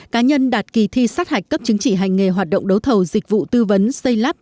cá nhân đạt kỳ thi sát hạch cấp chứng chỉ hành nghề hoạt động đấu thầu dịch vụ tư vấn xây lắp